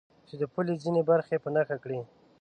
چې د پولې ځینې برخې په نښه کړي.